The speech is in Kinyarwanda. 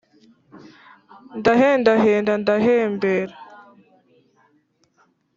ndahendahenda ndahembera